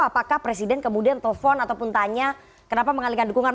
apakah presiden kemudian telepon ataupun tanya kenapa mengalihkan dukungan